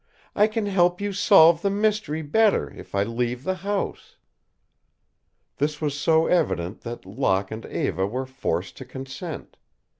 I can help you solve the mystery better if I leave the house." This was so evident that Locke and Eva were forced to consent.